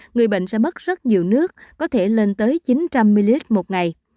người bệnh sẽ mất rất nhiều nước có thể lên tới chín trăm linh ml một ngày